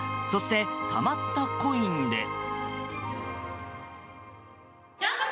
そして、たまったコインで。